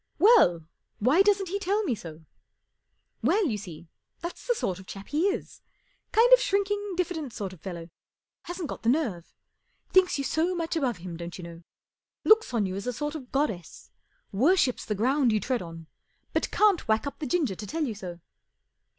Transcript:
" Well, why doesn't he tell me so ?"" Well, you see, that's the sort of chap he is. Kind of shrinking, diffident kind of fellow. Hasn't got the nerve. Thinks you so much above him, don't you know. Looks on you as a sort of goddess. Worships the ground you tread on, but can't whack up the ginger to tell you so."